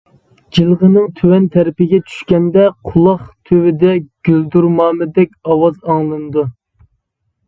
جىلغىنىڭ تۆۋەن تەرىپىگە چۈشكەندە قۇلاق تۈۋىدە گۈلدۈرمامىدەك ئاۋاز ئاڭلىنىدۇ.